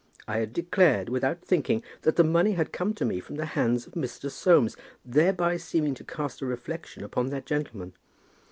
I had declared, without thinking, that the money had come to me from the hands of Mr. Soames, thereby seeming to cast a reflection upon that gentleman.